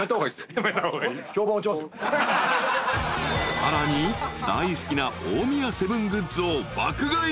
［さらに大好きな大宮セブングッズを爆買い］